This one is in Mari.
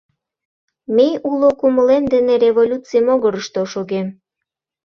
Мей уло кумылем дене революций могырышто шогем!